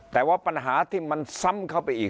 แต่ว่าปัญหาที่มันซ้ำเข้าไปอีก